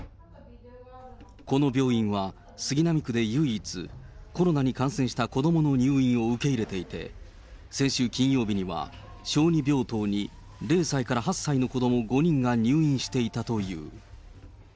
この病院は、杉並区で唯一、コロナに感染した子どもの入院を受け入れていて、先週金曜日には、小児病棟に０歳から８歳の子ども５人が入院していたという。